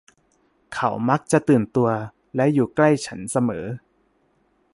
เขามักจะตื่นตัวและอยู่ใกล้ฉันเสมอ